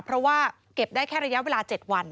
เพราะว่าเก็บได้แค่ระยะเวลา๗วัน